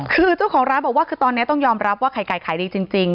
คือเจ้าของร้านบอกว่าคือตอนนี้ต้องยอมรับว่าไข่ไก่ขายดีจริง